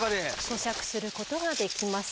咀嚼することができます。